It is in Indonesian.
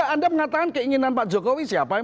anda mengatakan keinginan pak jokowi siapa yang